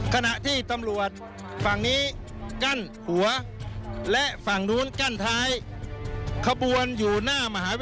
ขณะที่ตำรวจ